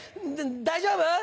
大丈夫？